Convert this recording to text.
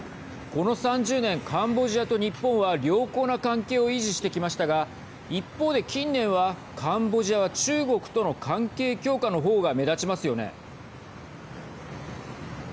この３０年、カンボジアと日本は良好な関係を維持してきましたが一方で、近年はカンボジアは中国との関係強化の方が目立ちますよね。